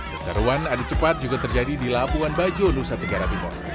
keseruan ada cepat juga terjadi di lapuan baju nusa tenggara timur